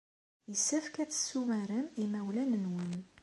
Yessefk ad tessumarem imawlan-nwen.